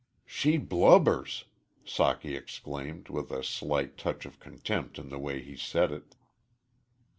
"She blubbers!" Socky exclaimed, with a slight touch of contempt in the way he said it.